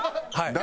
誰？